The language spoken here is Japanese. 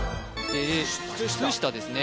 靴下ですね